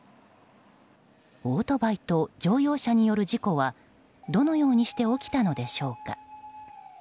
オートバイと乗用車による事故はどのようにして起きたのでしょうか。